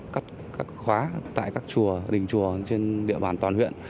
cắt các khóa tại các chùa đình chùa trên địa bàn toàn huyện